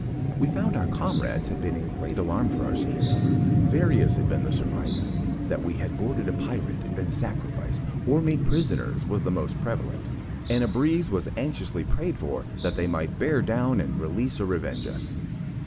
We found our comrades had been in great alarm for our safety. Various had been the surmises. That we had boarded a pirate, and been sacrificed, or made prisoners, was most prevalent, and a breeze was anxiously prayed for, that they might bear down, and release or revenge us.